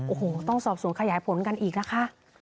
โอ้โหต้องสอบสวนขยายผลกันอีกนะคะ